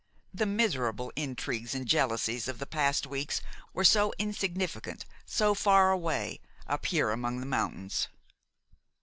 The miserable intrigues and jealousies of the past weeks were so insignificant, so far away, up here among the mountains.